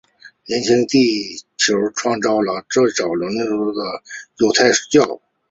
年轻地球创造论最早的根源来自犹太教。